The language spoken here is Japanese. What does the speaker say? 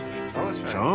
そう！